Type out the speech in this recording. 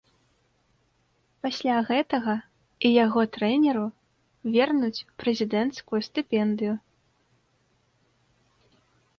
Пасля гэтага і яго трэнеру вернуць прэзідэнцкую стыпендыю.